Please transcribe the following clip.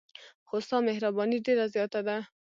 خو ستا مهرباني ډېره زیاته ده.